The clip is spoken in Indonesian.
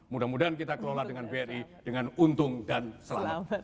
mudah mudahan kita kelola dengan bri dengan untung dan selamat